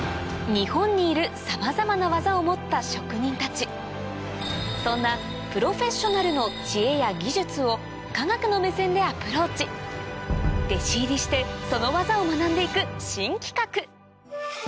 日本にいるさまざまな技を持った職人たちそんなプロフェッショナルの知恵や技術を科学の目線でアプローチ弟子入りしてその技を学んで行く新企画